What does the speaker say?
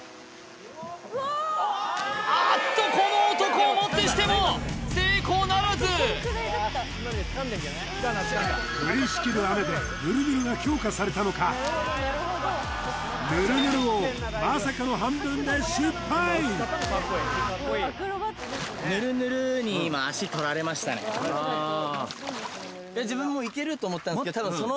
あーっとこの男を持ってしても成功ならず降りしきる雨でぬるぬるが強化されたのかぬるぬる王まさかの半分で失敗ただそのさあ